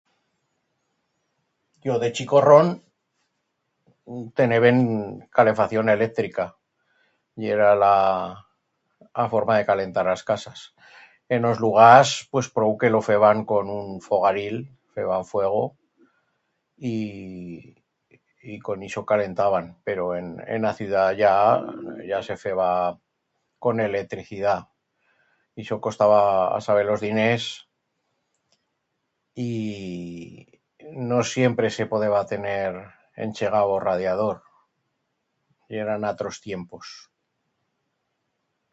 Yo de chicorrón, teneben calefacción electrica, yera la a forma de calentar as casas. En os lugars pues prou que lo feban con un fogaril, feban fuego y... y con ixo calentaban. Pero en en a ciudat ya, ya se feba... con electricidat. Ixo costaba asaber-los diners y no siempre se podeba tener enchegau o radiador. Yeran atros tiempos.